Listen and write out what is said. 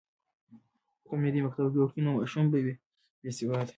که میندې مکتب جوړ کړي نو ماشوم به نه وي بې سواده.